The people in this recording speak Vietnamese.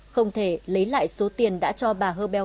không thể lấy lại số tiền đã cho bà herbel